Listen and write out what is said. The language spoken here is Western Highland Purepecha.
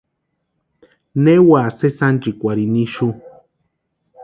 Ne úa sési ánchikwarhini ixu.